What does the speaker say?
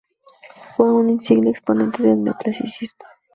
Fue un insigne exponente del Neoclasicismo.